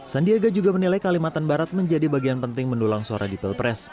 sandiaga juga menilai kalimantan barat menjadi bagian penting mendulang suara di pilpres